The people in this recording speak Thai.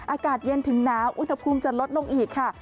อากาศเย็นถึงหนาวอุณหภูมิจะลดลงอีกค่ะ